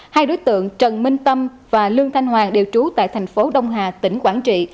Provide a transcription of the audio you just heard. hai đối tượng trần minh tâm và lương thanh hoàng đều trú tại thành phố đông hà tỉnh quảng trị